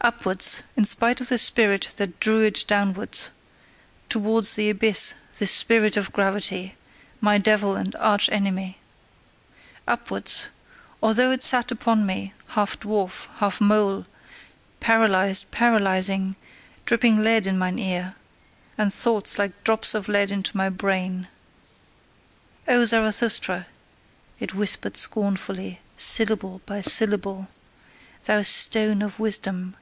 Upwards: in spite of the spirit that drew it downwards, towards the abyss, the spirit of gravity, my devil and arch enemy. Upwards: although it sat upon me, half dwarf, half mole; paralysed, paralysing; dripping lead in mine ear, and thoughts like drops of lead into my brain. "O Zarathustra," it whispered scornfully, syllable by syllable, "thou stone of wisdom!